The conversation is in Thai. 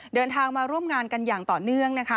เดินทางมาร่วมงานกันอย่างต่อเนื่องนะคะ